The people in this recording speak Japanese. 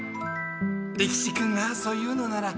利吉君がそう言うのなら。